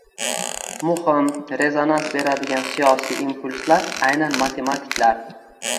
muhim, rezonans beradigan siyosiy impulslar aynan matematiklar